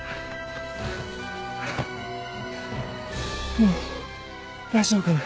もう大丈夫かな。